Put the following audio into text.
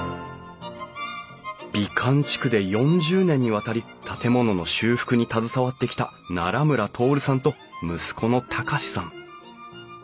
美観地区で４０年にわたり建物の修復に携わってきた村徹さんと息子の崇さん。